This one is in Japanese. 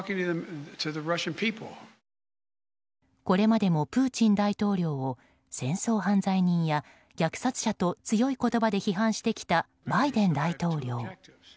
これまでもプーチン大統領を戦争犯罪人や虐殺者と強い言葉で批判してきたバイデン大統領。